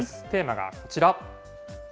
テーマはこちら。